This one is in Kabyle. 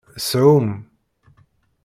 Shum!